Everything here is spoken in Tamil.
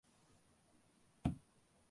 அவற்றில் முதலிலே உள்ளது கலிமா.